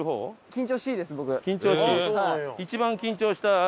緊張しい？